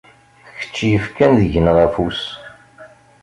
Kečč yefkan deg-neɣ afus.